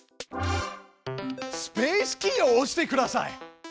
スペースキーを押してください。